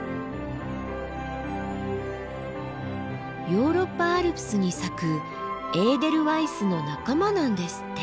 ヨーロッパアルプスに咲くエーデルワイスの仲間なんですって。